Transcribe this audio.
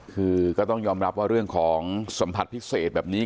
คือก็ต้องยอมรับว่าเรื่องของสัมผัสพิเศษแบบนี้